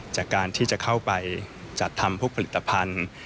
จากการที่จะเข้าไปจัดทำพวกผลิตภัณฑ์